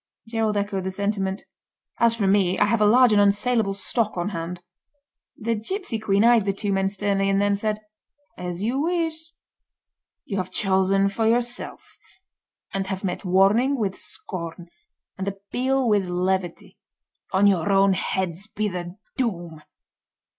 Gerald echoed the sentiment. "As for me I have a large and unsaleable stock on hand." The gipsy Queen eyed the two men sternly, and then said: "As you wish. You have chosen for yourself, and have met warning with scorn, and appeal with levity. On your own heads be the doom!"